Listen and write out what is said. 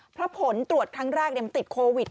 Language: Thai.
เพราะผลตรวจครั้งแรกมันติดโควิด